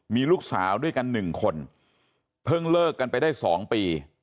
มีลูกสาวด้วยกัน๑คนเพิ่งเลิกกันไปได้๒ปี